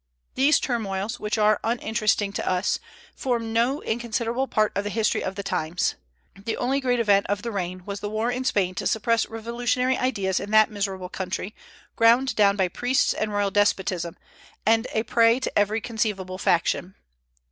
These turmoils, which are uninteresting to us, formed no inconsiderable part of the history of the times. The only great event of the reign was the war in Spain to suppress revolutionary ideas in that miserable country, ground down by priests and royal despotism, and a prey to every conceivable faction.